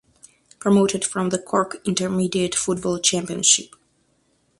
Promoted from the Cork Intermediate Football Championship